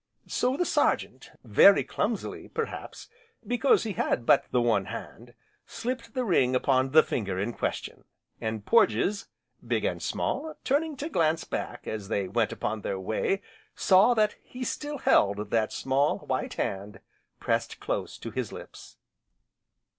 So the Sergeant, very clumsily, perhaps, because he had but the one hand, slipped the ring upon the finger in question. And Porges, Big, and Small, turning to glance back, as they went upon their way saw that he still held that small white hand pressed close to his lips.